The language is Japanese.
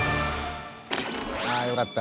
ああよかった。